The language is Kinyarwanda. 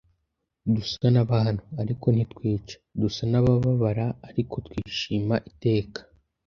dusa n’abahanwa, ariko ntitwicwa; dusa n’abababara ariko twishima iteka;